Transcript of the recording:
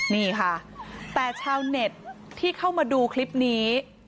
นี่ค่ะแต่ชาวเน็ตที่เข้ามาดูคลิปนี้